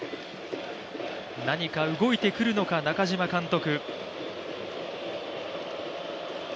何か動いてくるのか、中嶋監督。